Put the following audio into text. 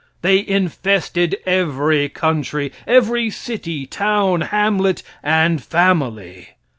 They infested every country, every city, town, hamlet, and family.